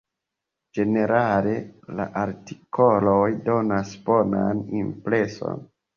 Ĝenerale la artikoloj donas bonan impreson.